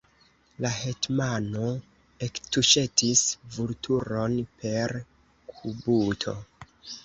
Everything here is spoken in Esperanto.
La hetmano ektuŝetis Vulturon per kubuto.